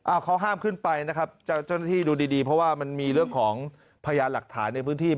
เขาห้ามขึ้นไปนะครับเจ้าหน้าที่ดูดีดีเพราะว่ามันมีเรื่องของพยานหลักฐานในพื้นที่